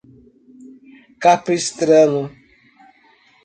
Capistrano